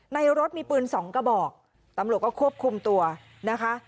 ในรถมีปืนสองกระบอกตำรวจก็ควบคุมตัวนะคะ